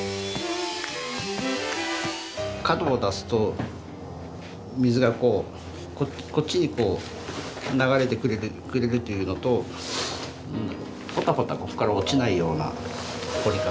角を出すと水がこっちにこう流れてくれるというのとポタポタここから落ちないような彫り方っていうんですかね。